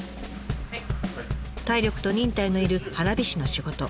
体力と忍耐の要る花火師の仕事。